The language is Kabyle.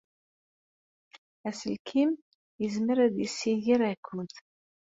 Aselkim yezmer-ad d-yessiger akud.